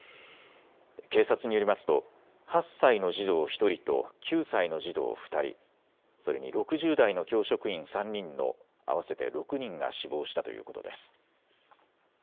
警察によりますと８歳の児童１人と９歳の児童２人、それに６０代の教職員３人の合わせて６人が死亡したということです。